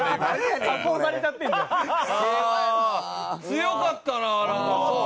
強かったな荒川。